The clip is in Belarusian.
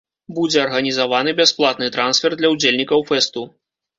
Будзе арганізаваны бясплатны трансфер для ўдзельнікаў фэсту.